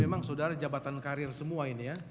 memang saudara jabatan karir semua ini ya